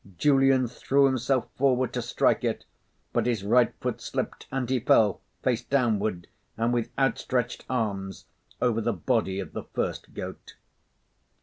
Julian threw himself forward to strike it, but his right foot slipped, and he fell, face downward and with outstretched arms, over the body of the first goat.